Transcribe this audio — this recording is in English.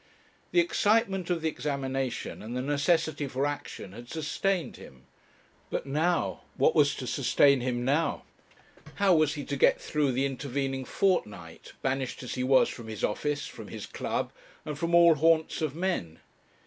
The excitement of the examination and the necessity for action had sustained him? but now what was to sustain him now? How was he to get through the intervening fortnight, banished as he was from his office, from his club, and from all haunts of men?